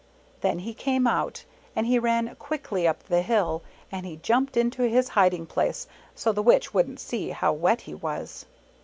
Then he came out, and he ran quickly up the hill, and he jumped into his hiding place so the Witch wouldn't see how wet he was.